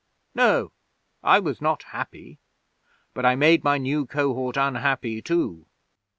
No, I was not happy; but I made my new Cohort unhappy too